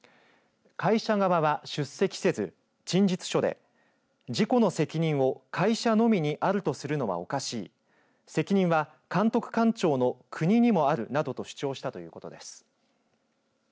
会社側は、出席せず陳述書で事故の責任を会社のみにあるとするのはおかしい責任は監督官庁の国にもあるなどと主張したということです。